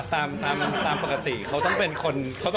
ตามปกติเขาต้องเป็นคน